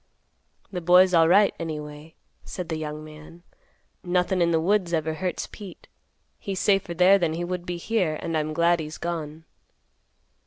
"The boy's alright, anyway," said the young man; "nothin' in the woods ever hurts Pete. He's safer there than he would be here, and I'm glad he's gone."